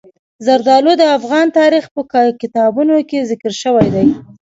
زردالو د افغان تاریخ په کتابونو کې ذکر شوی دي.